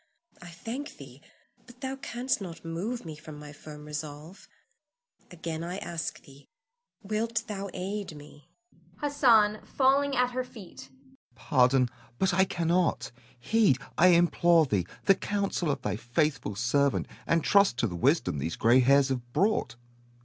I thank thee; but thou canst not move me from my firm resolve. Again I ask thee, Wilt thou aid me? Hassan [falling at her feet]. Pardon, but I cannot. Heed, I implore thee, the counsel of thy faithful servant, and trust to the wisdom these gray hairs have brought.